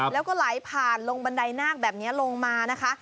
แล้วก็ไหลผ่านลงบันไดนาคแบบนี้ลงมานะคะ